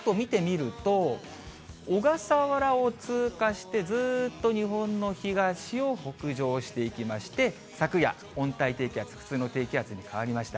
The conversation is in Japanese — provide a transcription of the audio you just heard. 台風２０号があるんですが、このあと見てみると、小笠原を通過して、ずーっと日本の東を北上していきまして、昨夜、温帯低気圧、普通の低気圧に変わりました。